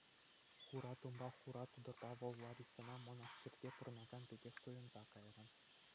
Хура тумпа, хура тутӑрпа вӑл Ларисӑна мӑнастирте пурӑнакан пекех туйӑнса кайрӗ.